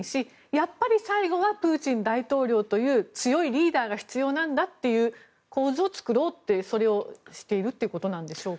やっぱり最後はプーチン大統領という強いリーダーが必要なんだという構図を作ろうというそれをしているということなんでしょうか。